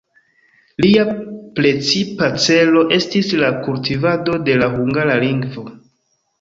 Lia precipa celo estis la kultivado de la hungara lingvo.